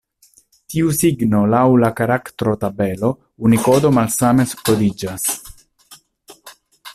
Tiu signo laŭ la karaktrotabelo Unikodo malsame kodiĝas.